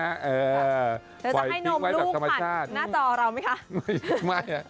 จะให้นมลูกขัดหน้าจอเรามั้ยคะปล่อยทิ้งไว้แบบธรรมชาติ